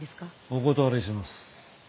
お断りします。